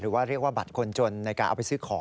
หรือว่าเรียกว่าบัตรคนจนในการเอาไปซื้อของ